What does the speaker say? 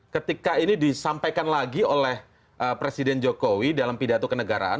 ketika ini disampaikan lagi oleh presiden jokowi dalam pidato kenegaraan